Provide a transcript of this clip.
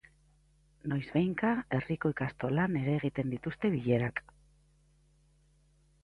Noizbehinka herriko ikastolan ere egiten dituzte bilerak.